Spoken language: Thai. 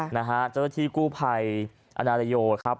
นะฮะเจ้าที่กู้ภัยอาณาโลโยครับ